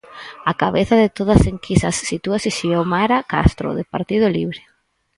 Á cabeza de todas enquisas sitúase Xiomara Castro do Partido Libre.